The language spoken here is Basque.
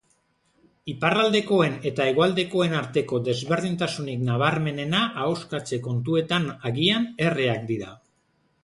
Iparraldekoen eta hegoaldekoen arteko desberdintasunik nabarmenena, ahoskatze kontuetan, agian, erreak dira.